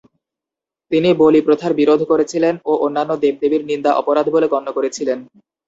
তিনি বলি প্রথার বিরোধ করেছিলেন ও অন্যান্য দেব-দেবীর নিন্দা অপরাধ বলে গন্য করেছিলেন।